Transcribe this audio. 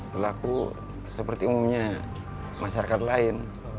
berlaku seperti umumnya masyarakat lain